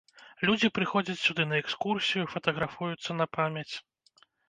Людзі прыходзяць сюды на экскурсію, фатаграфуюцца на памяць.